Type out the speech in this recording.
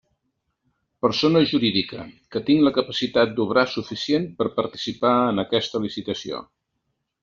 Persona jurídica: que tinc la capacitat d'obrar suficient per participar en aquesta licitació.